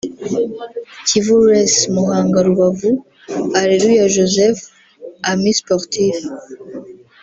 Kivu Race (Muhanga - Rubavu) - Aleluya Joseph (Amis Sportifs)